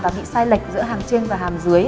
và bị sai lệch giữa hàng trên và hàng dưới